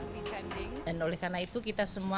dan oleh karena itu kita semua